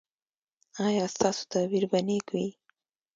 ایا ستاسو تعبیر به نیک وي؟